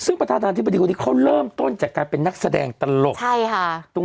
ซึ่งประธานาธิบดีคนนี้เขาเริ่มต้นจากการเป็นนักแสดงตลกใช่ค่ะ